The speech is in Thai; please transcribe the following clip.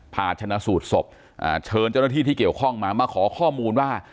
ผ่าชนะสูตรศพเชิญเจ้าหน้าที่ที่เกี่ยวข้องมามาขอข้อมูลว่า